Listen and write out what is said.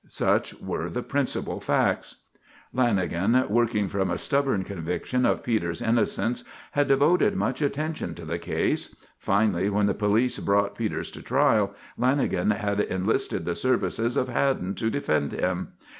Such were the principal facts. Lanagan, working from a stubborn conviction of Peters' innocence, had devoted much attention to the case. Finally, when the police brought Peters to trial, Lanagan had enlisted the services of Haddon to defend him.